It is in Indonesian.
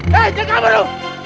hei jangan kabur lu